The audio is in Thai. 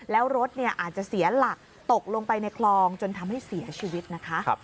แล้วรถอาจจะเสียหลักตกลงไปในคลองจนทำให้เสียชีวิตนะคะ